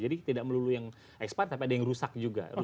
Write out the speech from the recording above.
jadi tidak melulu yang expired tapi ada yang rusak juga